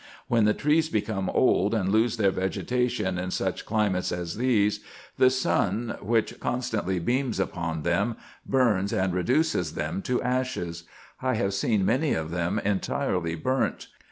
When the trees become old, and lose their vegetation in such climates as these, the sun, which constantly beams upon them, burns and reduces them to ashes. I have seen many of them entirely burnt.